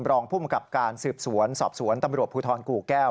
รองภูมิกับการสืบสวนสอบสวนตำรวจภูทรกู่แก้ว